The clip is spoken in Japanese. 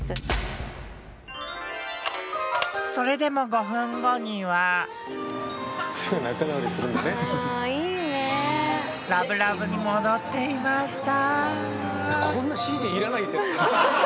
それでもラブラブに戻っていました。